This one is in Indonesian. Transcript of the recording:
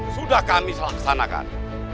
sudah kami laksanakan